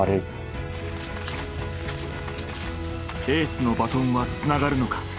「エースのバトン」はつながるのか。